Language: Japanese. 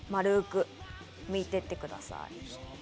とにかく丸く、むいていってください。